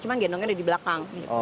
cuma gendongnya ada di belakang